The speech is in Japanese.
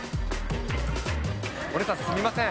お姉さん、すみません。